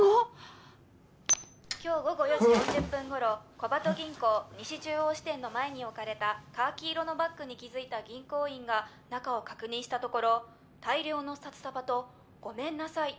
「今日午後４時４０分頃小鳩銀行西中央支店の前に置かれたカーキ色のバッグに気づいた銀行員が中を確認したところ大量の札束と“ごめんなさい”と書かれた手紙が入っており」